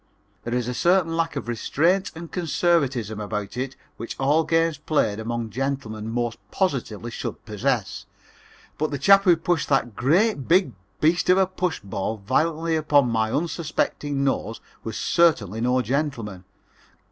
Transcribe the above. There is a certain lack of restraint and conservatism about it which all games played among gentlemen most positively should possess. But the chap who pushed that great big beast of a push ball violently upon my unsuspecting nose was certainly no gentleman.